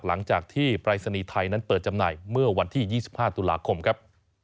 หลังจากที่ปรายศนีย์ไทยนั้นเปิดจำหน่ายเมื่อวันที่๒๕ตุลาคมครับ